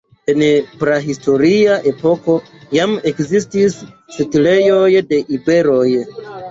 En prahistoria epoko jam ekzistis setlejoj de iberoj.